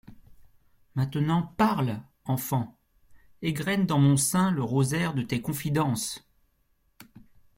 Maintenant, parle, enfant … égrène dans mon sein le rosaire de tes confidences …